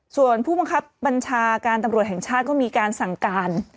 ส่วนผู้บังคับบัญชาการตำรวจแห่งชาติก็มีการสั่งการ